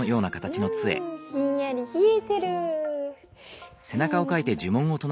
うんひんやりひえてる。